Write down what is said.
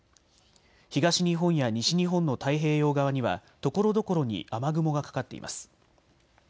東日本や西日本の太平洋側にはところどころに雨雲がかかっています。